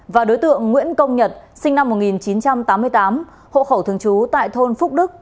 và đối tượng nguyễn công nhật sinh năm một nghìn chín trăm tám mươi tám hộ khẩu thường trú tại thôn phúc đức